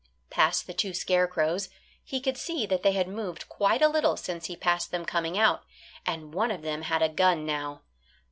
Past the two scarecrows; he could see that they had moved quite a little since he passed them coming out, and one of them had a gun now.